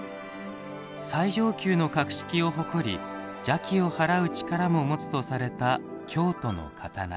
最上級の格式を誇り邪気を払う力も持つとされた京都の刀。